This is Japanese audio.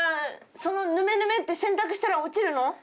そのヌメヌメって洗濯したら落ちるの？